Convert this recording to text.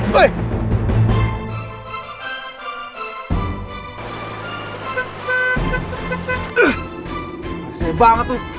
masih banget tuh